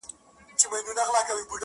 • له څپو څخه د امن و بېړۍ ته -